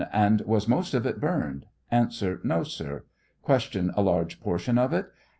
And was most of it burned? A. No, sir. Q. A large portion of it